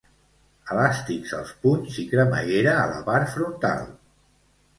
Elàstics als punys i cremallera a la part frontal.